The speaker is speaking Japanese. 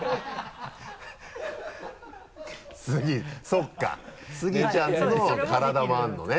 そうかスギちゃんの体もあるのね。